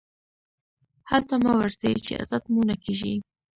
هلته مه ورځئ، چي عزت مو نه کېږي.